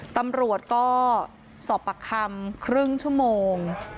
ตำรวจก็สอบปากคำครึ่งชั่วโมง